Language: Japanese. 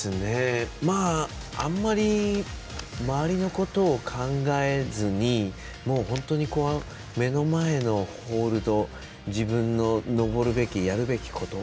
あんまり、周りのことを考えずに本当に目の前のホールド自分の登るべき、やるべきこと。